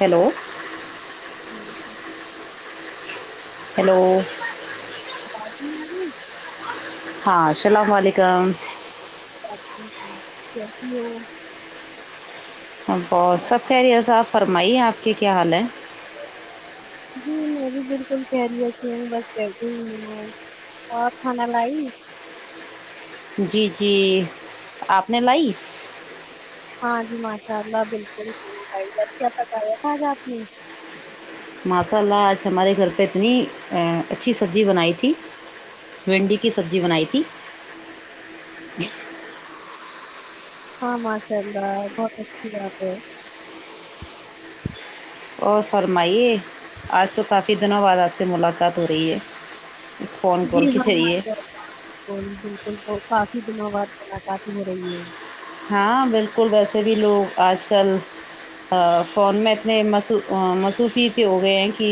Hello ہاں جی hello آواز نی اری ہاں سلام علیکم [unintelligible] کیسی ہو ہم تو سب خیریت اپ فرمائیے آپ کی کیا حال ہے جی میں بھی بالکل خیریت سے ہوں بس بیٹھی ہی اور کھانا لائی جی جی آپ نے لائی ہاں جی ماشاء اللہ بالکل [unintelligible] ماساء اللہ آج ہمارے گھر پہ اتنی اچھی سبزی بنائی تھی بھنڈی کی سبزی بنائی تھی اچھا ماشاء اللہ بہت اچھی بات ہے اور فرمائیے آج تو کافی دنوں بعد آپ سے ملاقات ہو رہی ہے فون جی کال کے ہاں ذریعے بالکل تو کافی دنوں بعد ملاقات ہو رہی ہے ہاں بالکل ویسے بھی لوگ آج کل فون میں اتنے مص مصروف کے ہو گئے ہیں کہ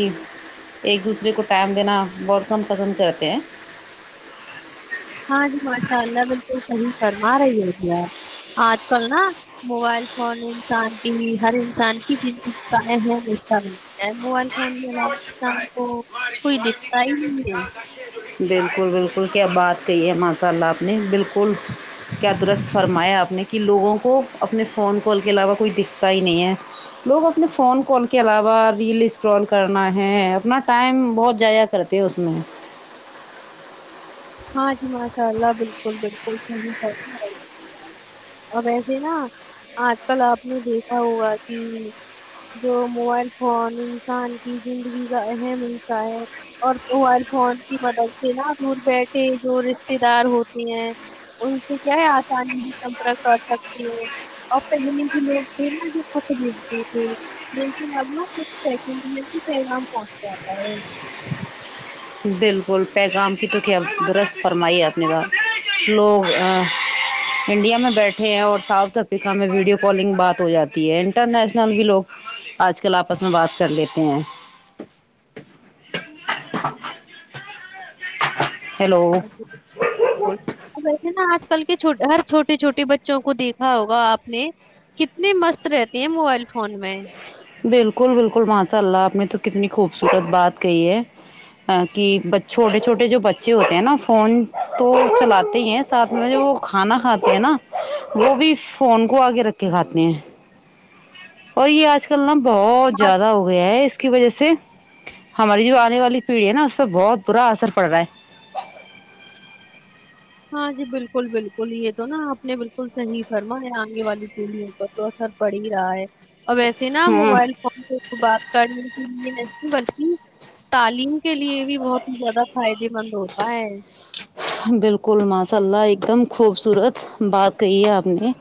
ایک دوسرے کو ٹائم دینا بہت کم پسند کرتے ہیں ہاں جی ماشاء اللہ بالکل صحیح فرما رہی ہے کیا آج کل نہ موبائل فون انسان کی ہی ہر انسان کی زندگی کا اہم حصہ ہے ا موبائل فون کے علاوہ انسان کو کوئی دکھتا ہی نہیں ہے بالکل بالکل کیا بات کہی ہے ماشاء اللہ آپ نے بالکل کیا درست فرمایا آپ نے کہ لوگوں کو اپنے فون کال کے علاوہ اور کوئی دکھتا ہی نہیں ہے لوگ اپنے فون کال کے علاوہ ریل اسکرال کرنا ہے اپنا ٹائم بہت جیا کرتے اس میں ہاں جی ماشاء اللہ بالکل بالکل [unintelligible] اور ویسے نا آج کل آپ نے دیکھا ہوا کہ جو موبائل فون انسان کی زندگی کا اہم حصہ ہے اور موبائل فون کی مدد سے نا دور بیٹھے جو رشتے دار ہوتے ہیں ان سے کیا ہے آسانی بھی سمپرک کر سکتی ہے اور پہلے جو لوگ تھے نا جو [unintelligible] تھے لیکن اب نہ کچھ سیکنڈ میں ہی پیغام پہنچ جاتا ہے بالکل پیغام کی تو کیا درست فرمائیے اپنے بات لوگ انڈیا میں بیٹھے ہیں اور ساؤتھ افریقہ میں ویڈیو کالنگ بات ہو جاتی ہے انٹرنیشنل بھی لوگ آج کل آپس میں بات کر لیتے ہیں ہیلو [unintelligible] بالکل ا ویسے نا آج کل کے چھوٹے ہر چھوٹے چھوٹے بچوں کو دیکھا ہوگا آپ نے کتنی مست رہتی ہیں موبائل فون میں بالکل بالکل ماشاءاللہ آپ نے تو کتنی خوبصورت بات کہی ہے کہ چھوٹے چھوٹے جو بچے ہوتے ہیں نا فون تو چلاتے ہی ہیں ساتھ میں جو وہ کھانا کھاتے ہیں نا وہ بھی فون کو آگے رکھ کے کھاتے ہیں اور یہ آج کل نا بہت زیادہ ہو ہو ہے اس کی وجہ سے ہماری جو آنے والی پیڑھی ہے نا اس پر بہت برا اثر پڑ رہا ہے ہاں جی بالکل بالکل یہ تو نا آپ نے بالکل صحیح فرما ہے آگے والی پیڑھیوں پر اثر پڑ ہی رہا ہے اور ویسے نا موبائل ہوں کو بات کرنی بلکی [unintelligible] تعلیم کے لیے بھی بہت ہی زیادہ فائدے مند ہوتا ہے بالکل ماشاء اللہ ایک دم خوبصورت بات کہی ہے آپ نے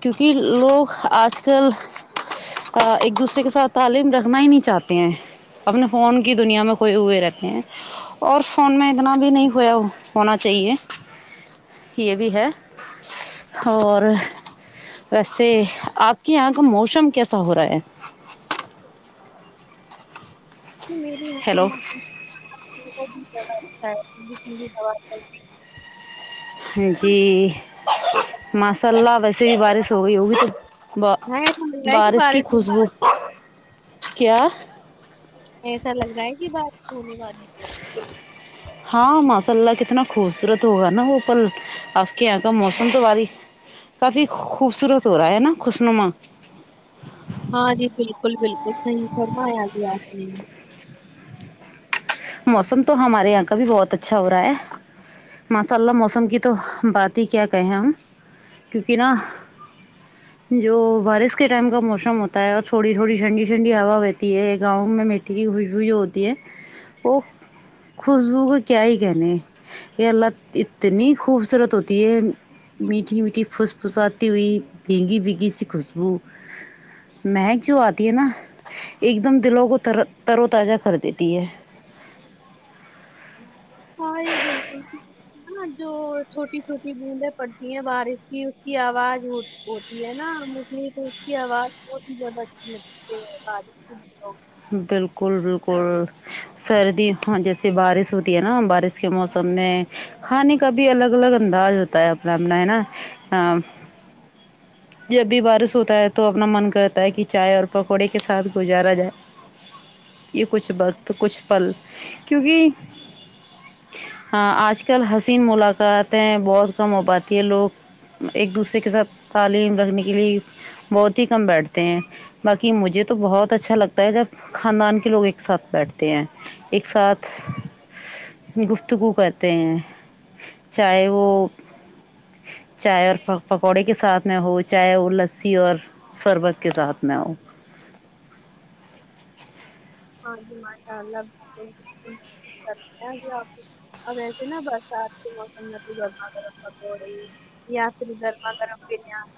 کیونکہ لوگ آج کل ایک دوسرے کے ساتھ تعلیم رکھنا ہی نہیں چاہتے ہیں اپنے فون کی دنیا میں کھوئے ہوئے رہتے ہیں اور فون میں اتنا بھی نہیں کھویا ہونا چاہیے یہ بھی ہے اور ویسے آپ کے یہاں کا موسم کیسا ہو رہا ہے تو میرری یہاں کا ہیلو موسم بےحد ہی زیادہ اچھا ہے ٹھنڈی ٹھنڈی ہوائے چال رہی ہے جی ماشاءاللہ ویسے بھی بارش ہو گئی ہوگی تو ہاں ایسا لگ رہا ہے کہ بارش کی ہونے خوشبو والی کیا ایسا لگ رہا ہے کہ بارش ہونے والی ہے ا ہاں ماشاء اللہ کتنا خوبصورت ہوگا نا وہ پل آپ کے یہاں کا موسم تو بارش کافی خوبصورت ہو رہا ہے نا خوشنما ہاں جی بالکل بالکل صحیح فرمایا جی آپ نے موسم تو ہمارے یہاں کا بھی بہت اچھا ہو رہا ہے ماساء اللہ موسم کی تو بات ہی کیا کہیں ہم کیونکہ نا جو بارش کے ٹائم کا موسم ہوتا ہے اور تھوڑی تھوڑی ٹھنڈی ٹھنڈی ہوا رہتی ہے گاؤں میں م میٹھی کی خوشبو جو ہوتی ہے وہ خوشبو کو کیا ہی کہنے ہے یہ لت اتنی خوبصورت ہوتی ہے میٹھی میٹھی پھوس پھساتی ہوئی بگی بگی سی خوشبو مہک جو آتی ہے نا ایک دم دلوں کور ترو ترو تجہ کر دیتی ہے ہاں یہ بالکل ہاں جو چھوٹی چھوٹی بوندیں پڑتی ہیں بارش کی اس کی آواز ہوتی ہوتی ہے نا مجھے تو اس کی آواز بہت ہی زیادہ اچھی لگتی ہے بارش کے دنوں میں بالکل بالکل سردی ہاں جیسے بارش ہوتی ہے نا بارش کے موسم میں کھانے کا بھی الگ الگ انداز ہوتا ہے اپنا اپنا ہے نا جب بھی بارش ہوتا ہے تو اپنا من کرتا ہے کہ چائے اور پکوڑے کے ساتھ گزارا جائے یہ کچھ وقت کچھ پل کیونکہ ہاں آج کل حسین ملاقاتیں بہت کم ہو پاتی ہے لوگ ایک دوسرے کے ساتھ تعلیم رکھنے کے لیے بہت ہی کم بیٹھتے ہیں باقی مجھے تو بہت اچھا لگتا ہے جب خاندان کے لوگ ایک ساتھ بیٹھتے ہیں ایک ساتھ گفتگو کرتے ہیں چاہے ہو چائے اور پکوڑے کے ساتھ میں ہو چائے اور لسی اور شربت کے ساتھ میں ہو ہاں جی ماشاء اللہ بالکل بالکتے [inaudible] جی آپ اب ویسے نا برسات کے موسم میں تو گرما گرم پکورہ یاتری دھرما کررم بر یانی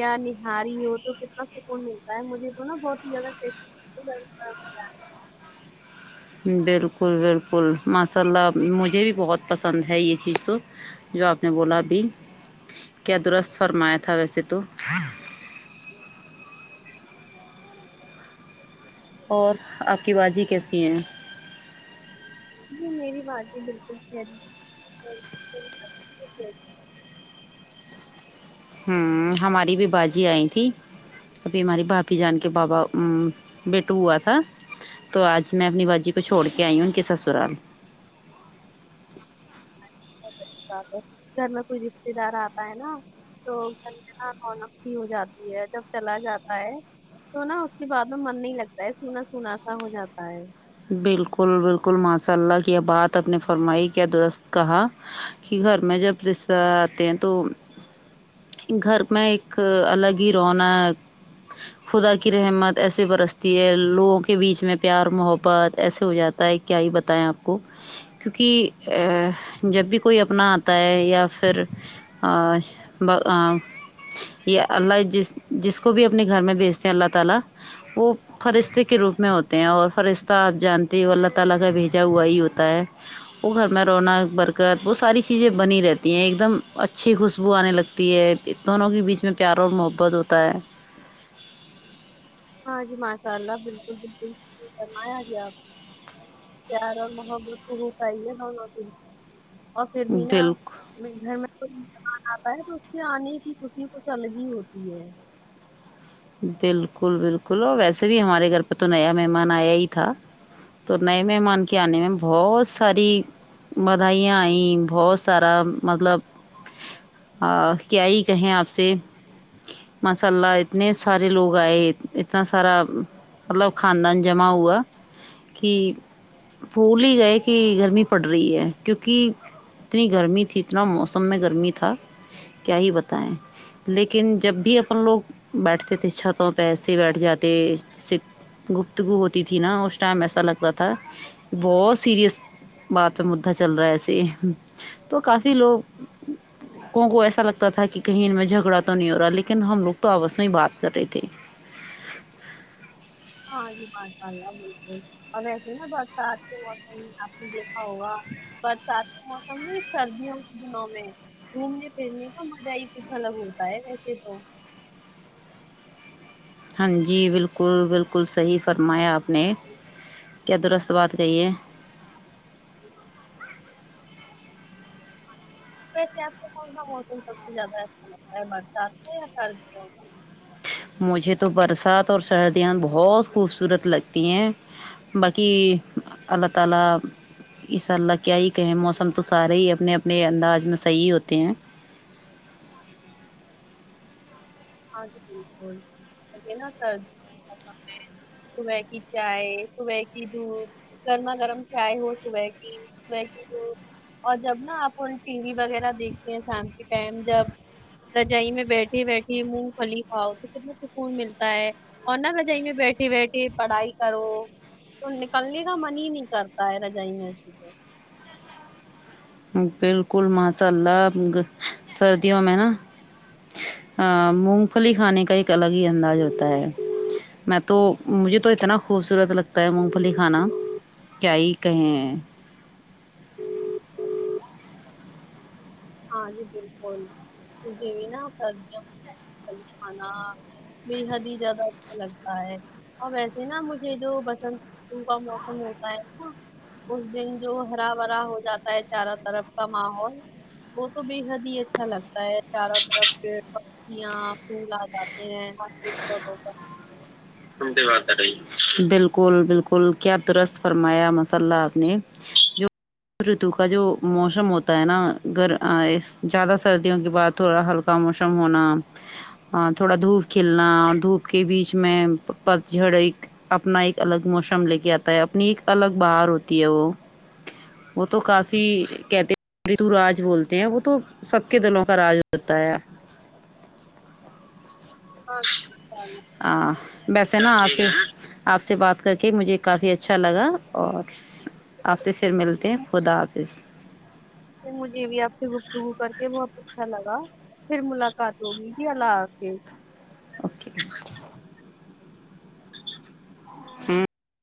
یا نہاری ہو تو کتنا سکون ملتا ہے مجھے تو نا بہت ہی زیادہ لگتی ہے گرما گرم بریانی۔ بالکل بالکل ماشاء اللہ مجھے بھی بہت پسند ہے یہ چیزیں جو آپ نے بولا ابھی کیا درست فرمایا تھا ویسے تو اور آپ کی باجی کیسی ہیں جی میری باجی بالکل خیریت سے ہے۔ ہوں ہماری بھی باجی آئی تھی ابھی ہماری بھابھی جان کے بابا بیٹو ہوا تھا تو آج میں اپنی باجی کو چھوڑ کے آئی ہوں ان کے سسرال بہت اچھی بات ہے گھر میں کوئی رشتے دار آتا ہے نا تو گھنٹنا رونق سی ہو جاتی ہے جب چلا جاتا ہے تو نا اس کے بعد میں من نہیں لگتا ہے سنا سنا سا ہو جاتا ہے بالکل بالکل ماشاء اللہ کیا بات اپ نے فرمائی کیا درست کہا کہ اپنے جب رشتہ آتے ہیں تو گھر میں ایک الگ ہی رونا ہے خدا کی رحمت ایسے برستی ہے لوگوں کے بیچ میں پیار محبت بات ایسے ہو جاتا ہے کیا ہی بتائیں آپ کو کیونکہ جب بھی کوئی اپنا آتا ہے یا پھر اور با یہ اللہ جس جس کو بھی اپنے گھر میں بیچتے ہیں اللہ تعالی وہ فرشتے کے روپ میں ہوتے ہیں اور فرشتے آپ جانتے ہو اللہ تعالی کا بھیجا ہوا ہی ہوتا ہے وہ گھر میں رونق برکت وہ ساری چیزیں بنی رہتی ہیں ایک دم اچھی خوشبو آنے لگتی ہے دونوں کے بیچ میں پیار اور محبت ہوتا ہے ہاں جی ماشاء اللہ بالکل بالکل فرمایا جی آپ نے پیار اور محبت تو ہو پائی ہے ہم اور پھر بھی نا بالکل گھر میں کوئی مہمان آتا ہے تو اس کے آنے کی خوشی کچھ الگ ہی ہوتی ہے بالکل بالکل اور ویسے بھی ہمارے گھر پہ تو نیا مہمان آیا ہی تھا تو نئے مہمان کے آنے میں بہت ساری بدھائیاں آئیں بہت سارا مطلب آ کیا ہی کہیں آپ سے بس للہ اتنے سارے لوگ آئے اتنا سارا مطلب خاندان جمع ہوا کہ بھول ہی گئے کہ گرمی پڑ رہی ہے کیونکہ اتنی گرمی تھی اتنا موسم میں گرمی تھا کیا ہی بتائےیں لیکن جب بھی اپنے بیٹھتے تھ چھتوں پیسے بیٹھ جاتے گفتگو ہوتی تھی نا اس ٹائم ایسا لگتا تھا بہت سیریس بات پ مدح چل رہا ہے ایسے تو کافی لوگ کو کو ایسا لگتا تھا کہ کہیں ان میں جھگڑا تو نہیں ہو رہا لیکن ہم لوگ تو آپس میں ہی بات کر رہے تھے ہاں جی مشاء اللہ بالکل اور ایسے نا برسات کے موسم میں آپ نے دیکھا ہوگا برسات کا موسم میں سردیوں کے دنوں میں گھومنے پھرنے کا مزہ ہی کچھ الگ ہوتا ہے ویسے تو ہاں جی بالکل بالکل صحیح فرمایا آپ نے کیا درست بات کہی ہے ویسے آپ کو کون سا موسم سب سے زیادہ اچھا لگتا ہے برسات کا یا سردیوں کا مجھے تو برسات اور سردیاں بہت خوبصورت لگتی ہیں باقی اللہ تعا لی اسساء اللہ کیا ہی کہیں موسم تو سارے ہی اپنے اپنے انداز میں صحیح ہوتے ہیں ہاں جی بالک سردیوں [unintelligible] مم صبح کی چائے صبح کی دھوپ گرما گرم چائے ہو صبح کی صبح کی دھوپ اور جب نا اپن ٹی وی وغیرہ دیکھتے ہیں شام کے ٹائم جب رجائی میں بیٹھی بیٹھی مونگ پھلی کھا و تو کتنا سکون ملتا ہے اور نہ وجہ میں بیٹھی بیٹھی پڑھائی کرو تو نکلنے کا من ہی نہیں کرتا ہے رجائی میںیسی تو بالکل ماشاء اللہ سردیوں میں نا ہاں مونگ پلی کھانے کا ایک الگ ہی انداز ہوتا ہے میں تو مجھے تو اتنا خوبصورت لگتا ہے مونگ پھلی کھانا کیا ہی کہیں ہیں ہاں جی بالکل ت [unintelligible] کر ک خانا بے حد ہی زیاد اچھا لگتا ہے اور ویسے نا مجھے جو بسنت کا موسم ہوتا ہے نا اس دن جو ہرا بھرا ہو جاتا ہے چارا طرف کا ماحول وہ تو بے حد ہی اچھا لگتا ہے چاروں طرف پیڑ یہاں پھول آ جاتے ہیں [unintelligible] بالکل بالکل کیا درست فرمایا مساللہ آپ نے [unintelligible] جو ریتو کا جو موسم ہوتا ہے نا گھر زیادہ سردیوں کے بعد تھوڑا ہلکا کا موسم ہونا تھوڑا دھوپ کھلنا اور دھوپ کے بیچ میں پت چھڑ ایک اپنا ایک الگ موسم لے کے آتا ہے اپنی ایک الگ بہار ہوتی ہے وہ وہ تو کافی کہتے رتو راج بولتے ہیں وہ تو سب کے دلوں کا راج ہوتا ہے [unintelligible] ہاں ویسے آج سے نہ آپ سے بات کر کے مجھے کافی اچھا لگا اور آپ سے پھر ملتے ہیں خدا حافظ مجھے بھی آپ سے گفتگو کر کے بہت اچھا لگا پھر ملاقات ہوگئی جی اللہ حا فظ اوکے ہوں